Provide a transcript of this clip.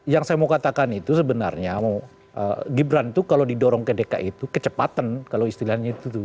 yang saya mau katakan itu sebenarnya gibran itu kalau didorong ke dki itu kecepatan kalau istilahnya itu tuh